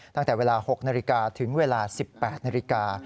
ตั้งแต่เวลา๖นาฬิกาถึงเวลา๑๘นาฬิกา